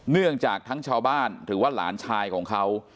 เนื่องจากทั้งชาวบ้านหรือว่าหลานชายของเขา